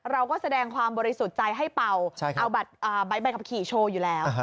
เราก็แสดงความบริสุทธิ์ใจให้เป่าเอาใบขับขี่โชว์อยู่แล้ว